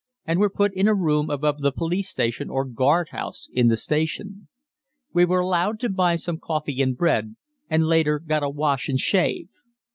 and were put in a room above the police station or guardhouse in the station. We were allowed to buy some coffee and bread, and later got a wash and shave.